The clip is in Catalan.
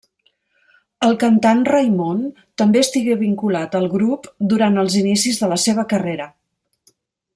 El cantant Raimon també estigué vinculat al grup durant els inicis de la seva carrera.